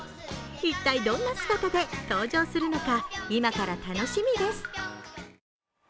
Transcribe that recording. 一体、どんな姿で登場するのか今から楽しみです。